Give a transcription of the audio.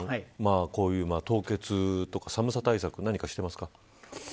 こういう凍結とか寒さ対策、何かしていますか。